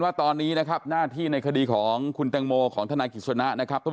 ว่าตอนนี้นะครับหน้าที่ในคดีของคุณตังโมของทนาคิดศนานะ